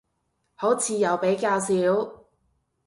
好似又比較少